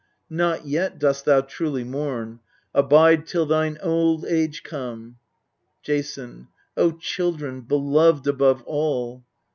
Not yet dost thou truly mourn : abide till thine old age come. Jason. O children beloved above all